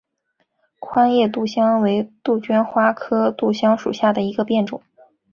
宽叶杜香为杜鹃花科杜香属下的一个变种。